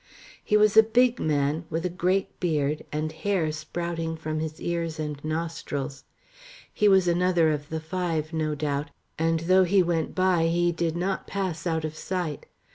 He was a big man, with a great beard and hair sprouting from his ears and nostrils. He was another of the five no doubt, and though he went by he did not pass out of sight.